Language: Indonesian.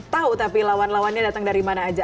tahu tapi lawan lawannya datang dari mana aja